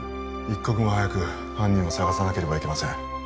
一刻も早く犯人を捜さなければいけません